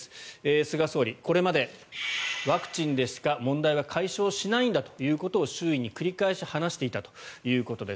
菅総理、これまでワクチンでしか問題は解消しないんだということを周囲に繰り返し話していたということです。